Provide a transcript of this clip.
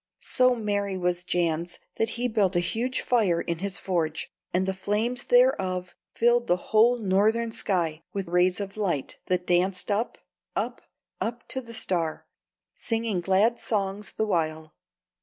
So merry was Jans that he built a huge fire in his forge, and the flames thereof filled the whole Northern sky with rays of light that danced up, up, up to the Star, singing glad songs the while.